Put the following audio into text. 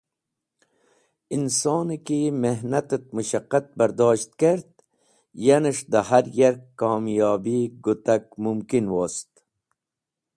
Insoneki mehnat et mushaqqat bardosht kert, yanes̃h de har yark komyobi gutak mumkin wost.